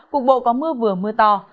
cục bộ có mưa vừa mưa to